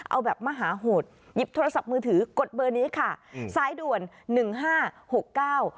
เอาแบบมหาโหดหยิบโทรศัพท์มือถือกดเบอร์นี้ค่ะอืมสายด่วนหนึ่งห้าหกเก้า